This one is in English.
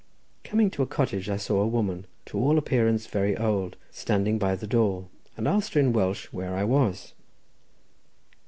Coming to a cottage, I saw a woman, to all appearance very old, standing by the door, and asked her in Welsh where I was.